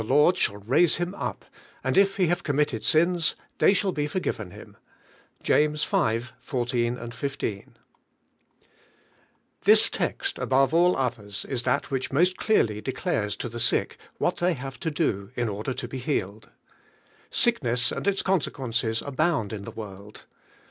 1 Lord shall raise him up, aud If lie have committed sins, they shall he forgives him (James v, 14, la), THIS text, above nil others, is Him which moat dearly declares to the sick what they have to do in order to be healed. Sickness and its con sequences abound in the world.